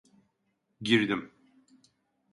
Girdim.